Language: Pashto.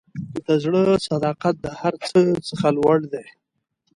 د زړه صداقت د هر څه څخه لوړ دی.